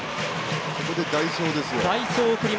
ここで代走ですよ。